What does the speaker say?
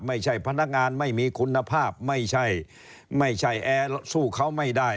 ไม่ใช่พนักงานไม่มีคุณภาพไม่ใช่ไม่ใช่แอร์สู้เขาไม่ได้